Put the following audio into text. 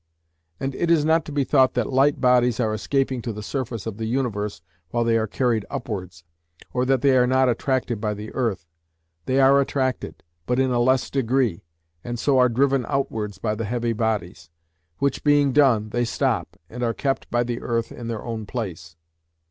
And it is not to be thought that light bodies are escaping to the surface of the universe while they are carried upwards, or that they are not attracted by the earth. They are attracted, but in a less degree, and so are driven outwards by the heavy bodies; which being done, they stop, and are kept by the earth in their own place.